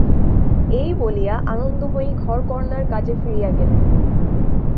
এই বলিয়া আনন্দময়ী ঘরকরনার কাজে ফিরিয়া গেলেন।